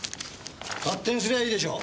勝手にすりゃいいでしょ。